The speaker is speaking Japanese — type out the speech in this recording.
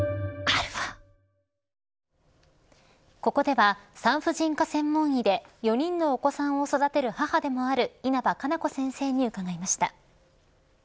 ここでは産婦人科専門医で４人のお子さんを育てる母でもある稲葉可奈子先生に伺いました。